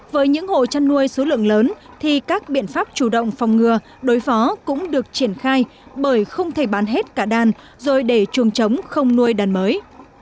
với những hộ chăn nuôi số lượng lớn thì các biện pháp chủ động phòng ngừa đối phó cũng được triển khai bởi không thể bán hết cả đàn rồi để chuồng trống không nuôi đàn mới